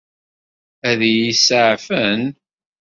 Ad iyi-saɛfen?